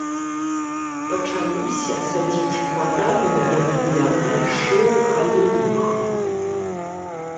Пачаліся садзіць платаны на датуль амаль шэрых алеях.